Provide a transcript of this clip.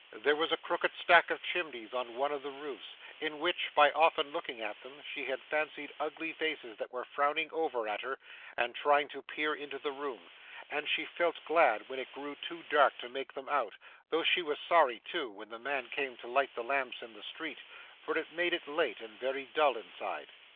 There was a crooked stack of chimneys on one of the roofs, in which, by often looking at them, she had fancied ugly faces that were frowning over at her and trying to peer into the room; and she felt glad when it grew too dark to make them out, though she was sorry too, when the man came to light the lamps in the street for it made it late, and very dull inside.